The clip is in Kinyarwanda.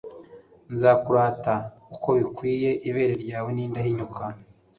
Nzakurata uko bigukwiyeIbere ryawe ni indahinyuka